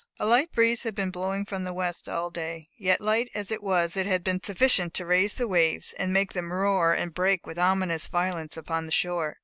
A light breeze had been blowing from the west all day, yet light as it was it had been sufficient to raise the waves, and make them roar and break with ominous violence upon the shore.